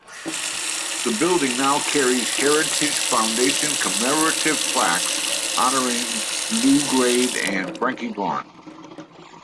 The building now carries Heritage Foundation commemorative plaques honouring Lew Grade and Frankie Vaughan.